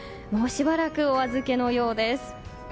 もうしばらくお預けのようです。